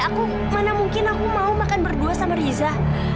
aku mana mungkin mau makan siang berdua sama riza